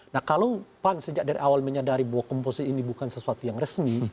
nah kalau pan sejak dari awal menyadari bahwa komposisi ini bukan sesuatu yang resmi